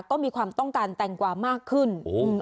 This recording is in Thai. ก็มีความต้องการแตงกว่ามากขึ้น